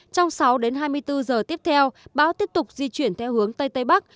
trong sáu đến hai mươi bốn giờ tiếp theo bão tiếp tục di chuyển theo hướng tây tây bắc